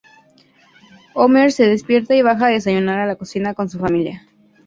Homer se despierta y baja a desayunar a la cocina con su familia.